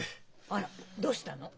あらどうしたの？